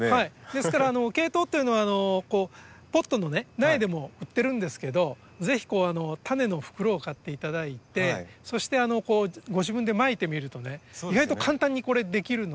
ですからケイトウっていうのはポットの苗でも売ってるんですけどぜひ種の袋を買っていただいてそしてご自分でまいてみるとね意外と簡単に出来るので。